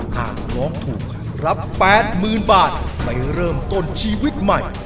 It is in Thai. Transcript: หากร้องถูกรับ๘๐๐๐บาทไปเริ่มต้นชีวิตใหม่